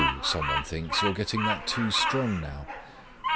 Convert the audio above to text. someone thinks, "you are getting that too strong now."